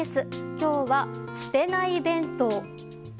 今日は、すてない弁当。